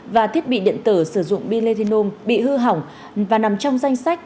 và thiết bị điện tử sử dụng pin lithium bị hư hỏng và nằm trong danh sách